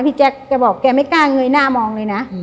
แจ๊คแกบอกแกไม่กล้าเงยหน้ามองเลยนะ